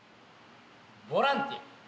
ボランティア。